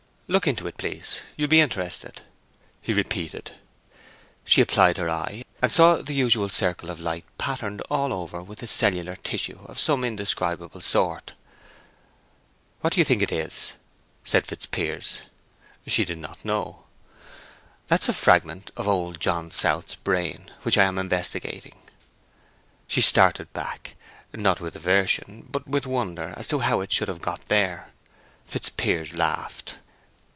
"Look into it, please; you'll be interested," he repeated. She applied her eye, and saw the usual circle of light patterned all over with a cellular tissue of some indescribable sort. "What do you think that is?" said Fitzpiers. She did not know. "That's a fragment of old John South's brain, which I am investigating." She started back, not with aversion, but with wonder as to how it should have got there. Fitzpiers laughed.